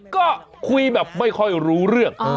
ก็คุยแบบไม่ค่อยรู้เรื่อง